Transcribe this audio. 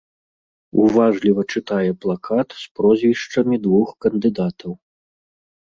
Уважліва чытае плакат з прозвішчамі двух кандыдатаў.